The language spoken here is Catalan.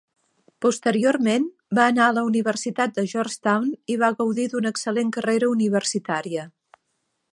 Posteriorment, va anar a la Universitat de Georgetown i va gaudir una d'excel·lent carrera universitària.